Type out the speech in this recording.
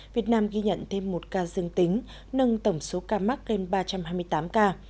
việt nam ghi nhận thêm một ca dương tính nâng tổng số ca mắc lên ba trăm hai mươi tám ca